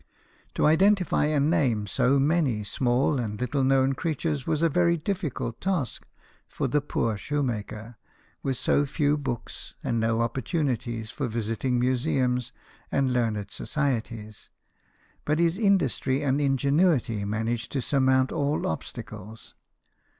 To identify and name so many small and little known creatures was a very difficult task for the poor shoemaker, with so few books, THOMAS EDWARD, SHOEMAKER. 187 and no opportunities for visiting museums and learned societies. But his industry and in genuity managed to surmount all obstacles.